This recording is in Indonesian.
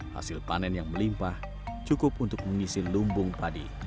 hasil panen yang melimpah cukup untuk mengisi lumbung padi